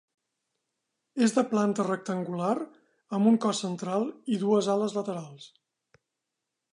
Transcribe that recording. És de planta rectangular amb un cos central i dues ales laterals.